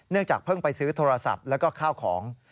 จากเพิ่งไปซื้อโทรศัพท์แล้วก็ข้าวของ